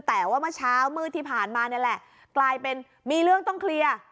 แต่ว่าเมื่อเช้ามืดที่ผ่านมานี่แหละกลายเป็นมีเรื่องต้องเคลียร์